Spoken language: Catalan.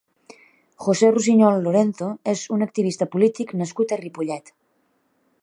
José Rosiñol Lorenzo és un activista polític nascut a Ripollet.